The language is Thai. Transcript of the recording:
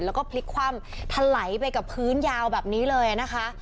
แล้วก็พลิกคว่ำทะไหลไปกับพื้นยาวแบบนี้เลยนะคะ